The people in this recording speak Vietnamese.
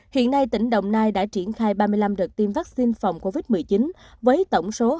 hiện nay tỉnh đồng nai đã triển khai ba mươi năm đợt tiêm vaccine phòng covid một mươi chín